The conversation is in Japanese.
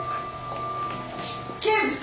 警部！